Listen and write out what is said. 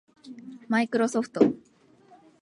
マイクロソフト